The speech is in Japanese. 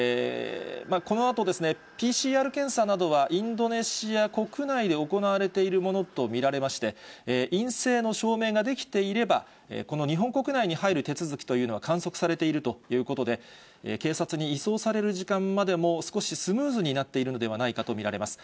このあと、ＰＣＲ検査などはインドネシア国内で行われているものと見られまして、陰性の証明ができていれば、この日本国内に入る手続きというのは、簡素化されているということで、警察に移送される時間までも、少しスムーズになっているのではないかと見られます。